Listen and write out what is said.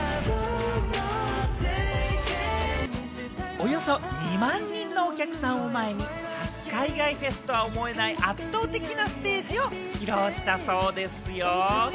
およそ２万人のお客さんを前に、初海外フェスとは思えない、圧倒的なステージを披露したそうですよ。